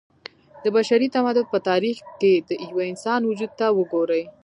د بشري تمدن په تاريخ کې د يوه انسان وجود ته وګورئ